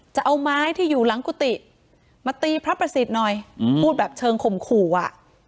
จะเอาไม้ที่อยู่หลังกุฏิมาตีพระประสิทธิ์หน่อยพูดแบบเชิงข่มขู่อ่ะ